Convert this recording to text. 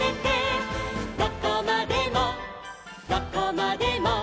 「どこまでもどこまでも」